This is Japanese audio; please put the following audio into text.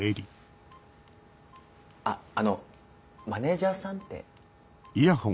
ああのマネジャーさんって？